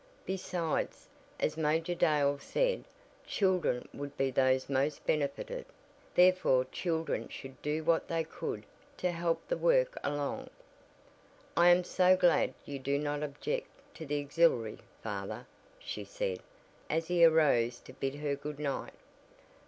Besides, as Major Dale said, children would be those most benefited, therefore children should do what they could to help the work along. "I am so glad you do not object to the Auxiliary, father," she said, as he arose to bid her good night.